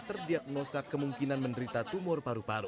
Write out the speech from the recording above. terdiagnosa kemungkinan menderita tumor paru paru